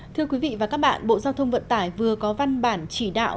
thưa quý vị và các bạn bộ giao thông vận tải vừa có văn bản chỉ đạo